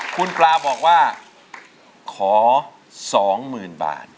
คุณปลาบอกว่าขอ๒๐๐๐บาท